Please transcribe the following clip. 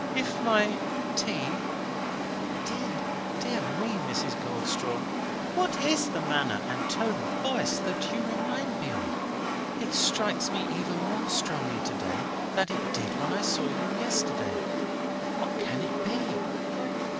"If my tea Dear, dear me, Mrs. Goldstraw! what is the manner and tone of voice that you remind me of? It strikes me even more strongly to day, than it did when I saw you yesterday. What can it be?"